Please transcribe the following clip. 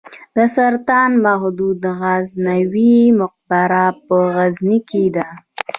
د سلطان محمود غزنوي مقبره په غزني کې ده